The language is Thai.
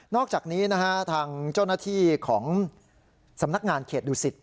นอกจากนี้ทางเจ้าหน้าที่ของสำนักงานเขตดุศิษณ์